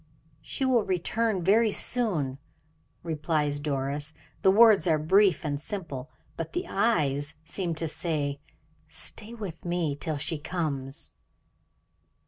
"She will return very soon," replies Doris. The words are brief and simple, but the eyes seem to say, "stay with me till she comes."